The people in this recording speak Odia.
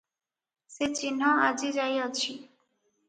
ସେ ଚିହ୍ନ ଆଜି ଯାଏ ଅଛି ।